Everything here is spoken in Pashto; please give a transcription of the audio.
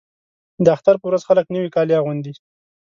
د اختر په ورځ خلک نوي کالي اغوندي.